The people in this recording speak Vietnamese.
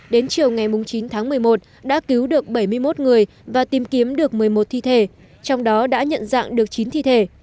đến chiều ngày chín tháng một mươi một đã cứu được bảy mươi một người và tìm kiếm được một mươi một thi thể trong đó đã nhận dạng được chín thi thể